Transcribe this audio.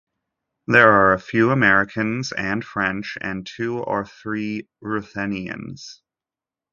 There are a few Americans and French and two or three Ruthenians.